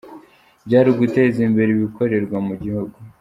Byari uguteza imbere ibikorerwa mu gihugu.